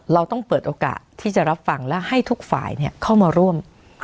เราต้องเปิดโอกาสที่จะรับฟังและให้ทุกฝ่ายเข้ามาร่วม